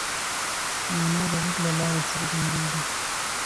مانا د غږ له لارې څرګنديږي.